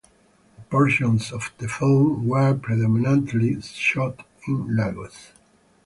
The portions of the film were predominantly shot in Lagos.